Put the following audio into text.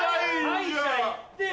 歯医者行ってよ。